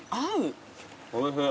おいしい。